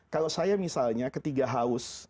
kalau saya misalnya ketika haus